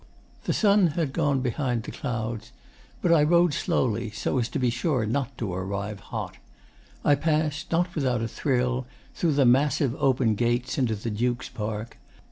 'The sun had gone behind clouds. But I rode slowly, so as to be sure not to arrive hot. I passed, not without a thrill, through the massive open gates into the Duke's park.